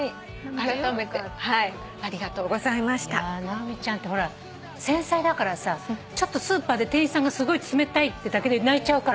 直美ちゃんってほら繊細だからちょっとスーパーで店員さんすごい冷たいってだけで泣いちゃうから。